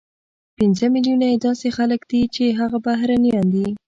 پنځه ملیونه یې داسې خلک دي چې هغه بهرنیان دي،